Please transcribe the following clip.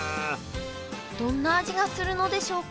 どんな味がするのでしょうか？